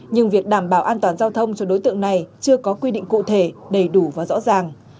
nhưng việc đảm bảo an toàn giao thông cho đối tượng này chưa có quy định cụ thể đầy đủ và rõ ràng